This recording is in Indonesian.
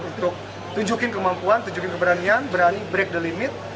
untuk tunjukin kemampuan tunjukin keberanian berani break the limit